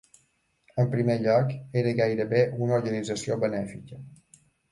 En primer lloc, era gairebé una organització benèfica.